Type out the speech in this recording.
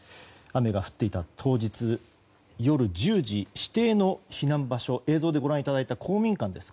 雨が降っていた当日夜１０時指定の避難場所映像でご覧いただいた公民館です。